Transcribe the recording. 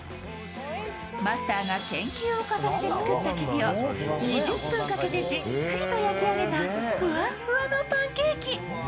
マスターが研究を重ねて作った生地を２０分かけてじっくりと焼き上げたフワフワのパンケーキ。